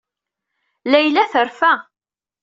Layla terfa.